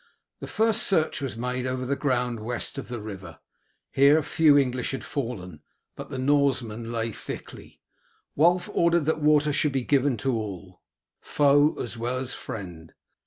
The first search was made over the ground west of the river. Here few English had fallen, but the Norsemen lay thickly. Wulf ordered that water should be given to all, foe as well as friend.